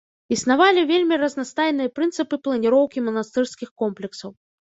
Існавалі вельмі разнастайныя прынцыпы планіроўкі манастырскіх комплексаў.